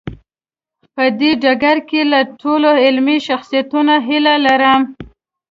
په دې ډګر کې له ټولو علمي شخصیتونو هیله لرم.